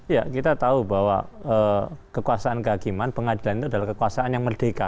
ya kita tahu bahwa kekuasaan kehakiman pengadilan itu adalah kekuasaan yang merdeka